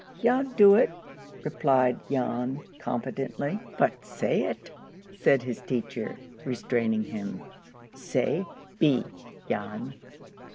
"Jan do it," replied Jan, confidently. "But say it," said his teacher, restraining him. "Say B, Jan."